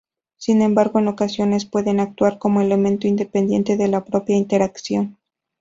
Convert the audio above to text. Sin embargo, en ocasiones pueden actuar como elemento independiente de la propia interacción.